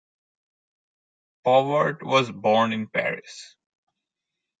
Pauvert was born in Paris.